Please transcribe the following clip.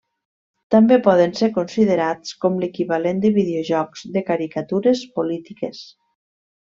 També poden ser considerats com l'equivalent de videojocs de caricatures polítiques.